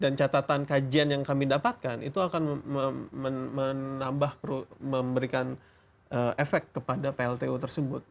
dan catatan kajian yang kami dapatkan itu akan menambah memberikan efek kepada pltu tersebut